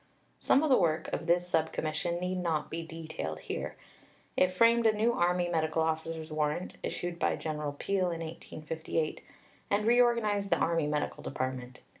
Some of the work of this Sub Commission need not be detailed here. It framed a new Army Medical Officers' Warrant (issued by General Peel in 1858), and reorganized the Army Medical Department (1859).